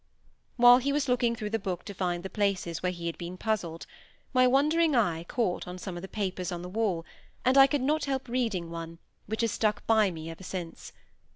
While he was looking through the book to find the places where he had been puzzled, my wandering eye caught on some of the papers on the wall, and I could not help reading one, which has stuck by me ever since.